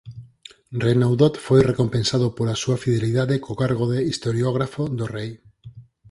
Renaudot foi recompensado pola súa fidelidade co cargo de "historiógrafo do rei".